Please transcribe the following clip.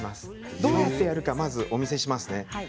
どうやってやるかまずお見せしますね。